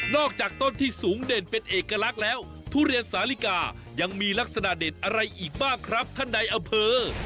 อกจากต้นที่สูงเด่นเป็นเอกลักษณ์แล้วทุเรียนสาลิกายังมีลักษณะเด็ดอะไรอีกบ้างครับท่านในอำเภอ